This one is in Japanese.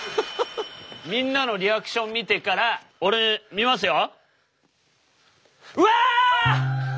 みんなのリアクション見てから俺見ますよ？